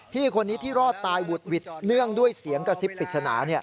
พี่คนนี้ที่รอดตายหวุดหวิดเนื่องด้วยเสียงกระซิบปริศนา